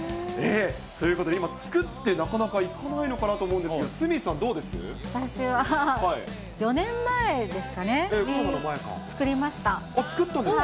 ということで、今、作ってなかなか行かないのかなと思うんですけど、鷲見さん、私は４年前ですかね、作りま作ったんですか。